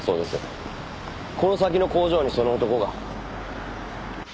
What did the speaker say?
この先の工場にその男が。